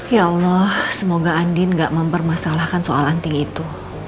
ya allah semoga andin gak mempermasalahkan soal anti itu